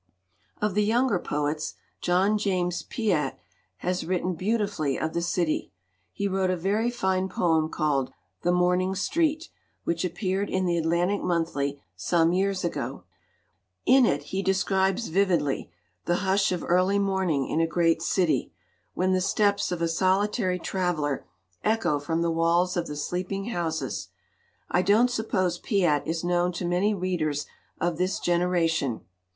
"Of the younger poets, John James Piatt has written beautifully of the city. He wrote a very fine poem called 'The Morning Street,' which appeared in the Atlantic Monthly some years ago. In it he describes vividly the hush of early morn ing in a great city, when the steps of a solitary traveler echo from the walls of the sleeping houses. I don't suppose Piatt is known to many readers of this generation.